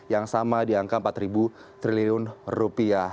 yang sama di angka empat triliun rupiah